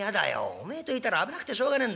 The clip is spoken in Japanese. おめえといたら危なくてしょうがねえんだ